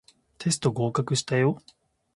テスト合格したよ